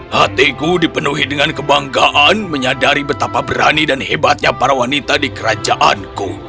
hatiku dipenuhi dengan kebanggaan menyadari betapa berani dan hebatnya para wanita di kerajaanku